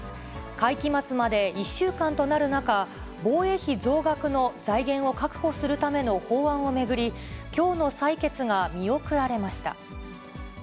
会期末まで１週間となる中、防衛費増額の財源を確保するための法案を巡り、きょうの採決が見送られました。